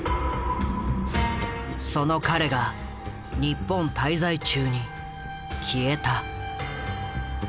その彼が日本滞在中に消えた。